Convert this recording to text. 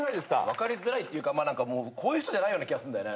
分かりづらいっていうかこういう人じゃないような気がするんだよね。